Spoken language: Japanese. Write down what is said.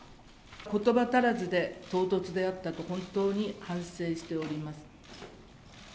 ことば足らずで唐突であったと、本当に反省しております。